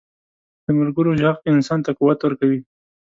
د ملګرو ږغ انسان ته قوت ورکوي.